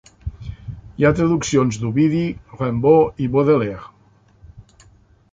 Hi ha traduccions d"Ovid, Rimbaud i Baudelaire.